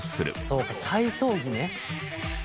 そうか体操着ね。